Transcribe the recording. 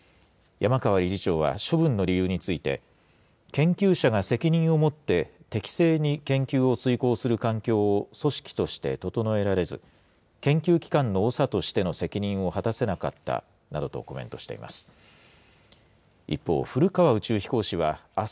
山川理事長は処分の理由について、研究者が責任を持って適正に研究を遂行する環境を組織として整えられず、研究機関の長としての責任を果たせなかったなどとコメントしています。